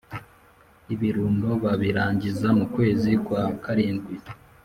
Ibirundo babirangiza mu kwezi Kwa karindwi